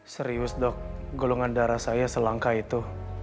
serius dok golongan darah saya selangkah itu